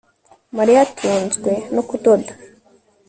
Mariya atunzwe no kudoda